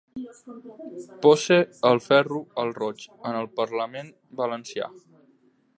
Pose el ferro al roig en el Parlament valencià.